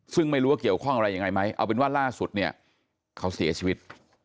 ซึ่งไม่รู้ว่าเกี่ยวข้องอะไรยังไงไหมเอาเป็นว่าล่าสุดเนี่ยเขาเสียชีวิต